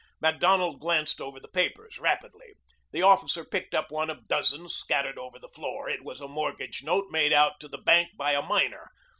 Macdonald glanced over the papers rapidly. The officer picked up one of dozens scattered over the floor. It was a mortgage note made out to the bank by a miner.